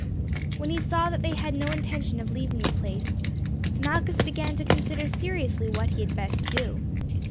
When he saw they had no intention of leaving the place, Malchus began to consider seriously what he had best do.